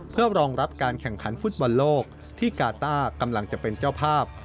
เพื่อรองรับการแข่งขันฟุตบอลโลกที่กาต้ากำลังจะเป็นเจ้าภาพ